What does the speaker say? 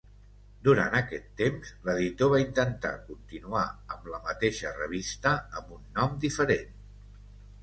Durant aquest temps, l'editor va intentar continuar amb la mateixa revista amb un nom diferent.